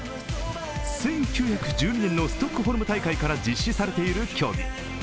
１９１２年のストックホルム大会から実施されている競技。